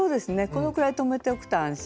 このくらい留めておくと安心で。